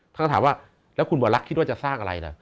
ท่านก็ถามว่าแล้วคุณหมอลักษ์คิดว่าจะสร้างอะไรนะ